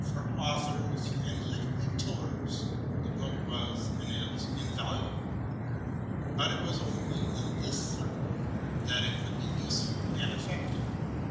For authors and littéra teurs, the book was and is invaluable ; but it was only in this circle that it could be useful and effective.